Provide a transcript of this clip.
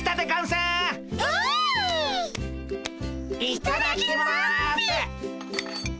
いただきます。